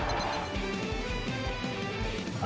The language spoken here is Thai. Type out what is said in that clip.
ทัศน์ทางสงคราม